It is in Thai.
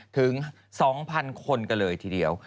ถึง๒๐๐คนกันเลยทีเดียว